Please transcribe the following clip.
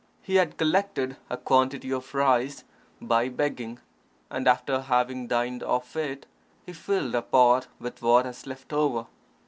He had collected a quantity of rice by begging, and after having dined off it, he filled a pot with what was left over.